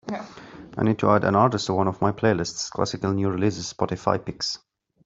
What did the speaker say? I need to add an artist to one of my playlists, Classical New Releases Spotify Picks.